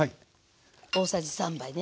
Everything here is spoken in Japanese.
大さじ３杯ね。